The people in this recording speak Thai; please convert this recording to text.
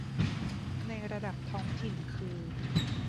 ในระดับท้องถิ่นคือ